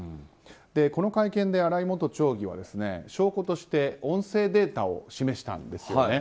この会見で新井元町議は証拠として音声データを示したんですよね。